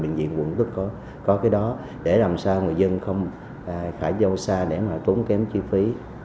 vì bệnh viện quận đức có cái đó để làm sao người dân không phải đi đâu xa để mà tốn kém chi phí